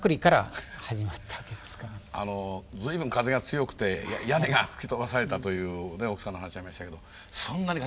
随分風が強くて屋根が吹き飛ばされたというね奥さんの話ありましたけどそんなに風が強い？